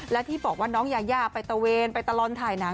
และที่บอกว่าน้องยายาไปตะเวนไปตลอดถ่ายหนัง